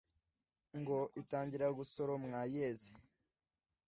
ngo itangire gusoromwa yeze